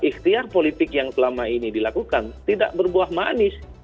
ikhtiar politik yang selama ini dilakukan tidak berbuah manis